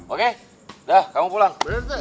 udah kamu pulang